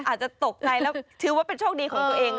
อาจจะตกใจแล้วถือว่าเป็นโชคดีของตัวเอง